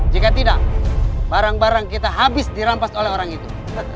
jika tidak barang barang kita habis dirampas oleh orang itu